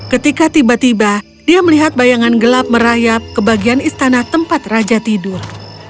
ketika tiba tiba dia melihat bayangan gelap merayap ke bagian istana tempat raja tidur